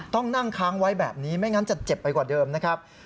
ต้องนั่งค้างไว้แบบนี้ไม่งั้นจะเจ็บไปกว่าเดิมนะครับ